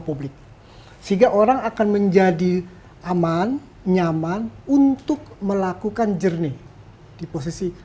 publik sehingga orang akan menjadi aman nyaman untuk melakukan jernih di posisi